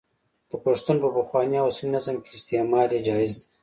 د پښتو په پخواني او اوسني نظم کې استعمال یې جائز دی.